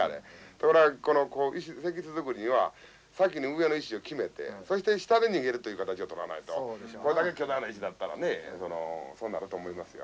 ところがこの石室作りには先に上の石を決めてそして下で逃げるという形を取らないとこれだけ巨大な石だったらねそうなると思いますよ。